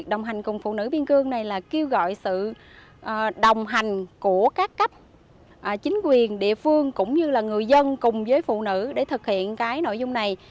chính quyền địa phương cũng như là người dân cùng với phụ nữ để thực hiện cái nội dung này